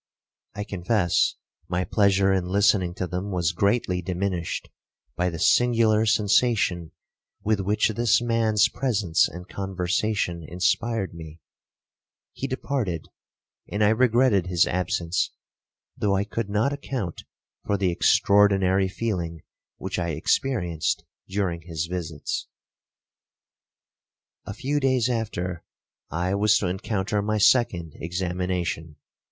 I confess my pleasure in listening to them was greatly diminished by the singular sensation with which this man's presence and conversation inspired me. He departed, and I regretted his absence, though I could not account for the extraordinary feeling which I experienced during his visits. 1 This circumstance is related, I believe, in the Jewish Spy. 'A few days after I was to encounter my second examination.